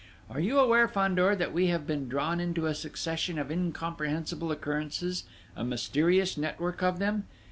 Are you aware, Fandor, that we have been drawn into a succession of incomprehensible occurrences a mysterious network of them?...